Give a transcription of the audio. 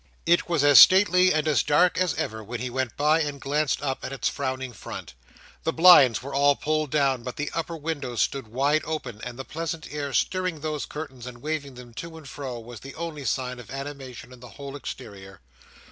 It was as stately and as dark as ever, when he went by and glanced up at its frowning front. The blinds were all pulled down, but the upper windows stood wide open, and the pleasant air stirring those curtains and waving them to and fro was the only sign of animation in the whole exterior.